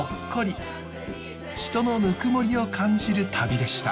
人のぬくもりを感じる旅でした。